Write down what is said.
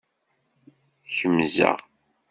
Kemzeɣ.